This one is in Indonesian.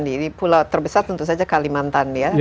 di pulau terbesar tentu saja kalimantan ya